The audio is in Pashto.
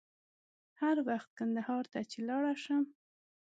هر وخت کندهار ته چې ولاړ شم.